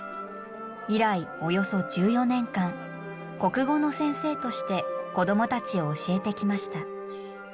以来、およそ１４年間国語の先生として子どもたちを教えてきました。